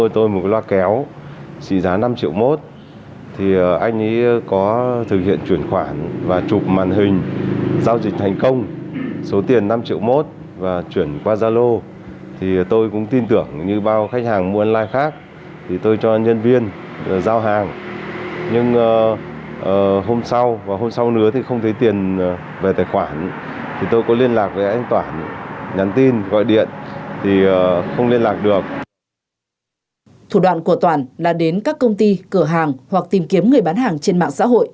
thủ đoạn của toản là đến các công ty cửa hàng hoặc tìm kiếm người bán hàng trên mạng xã hội